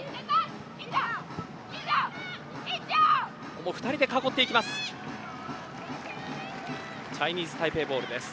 ここも２人で囲っていきます。